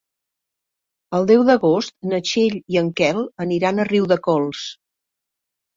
El deu d'agost na Txell i en Quel aniran a Riudecols.